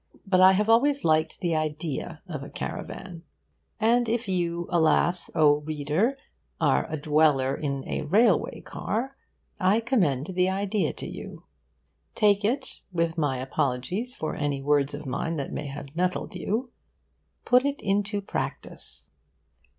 But I have always liked the idea of a caravan. And if you, alas, O reader, are a dweller in a railway car, I commend the idea to you. Take it, with my apologies for any words of mine that may have nettled you. Put it into practice.